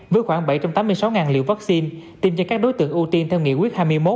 với khoảng bảy trăm tám mươi sáu liều vaccine tiêm cho các đối tượng ưu tiên theo nghị quyết hai mươi một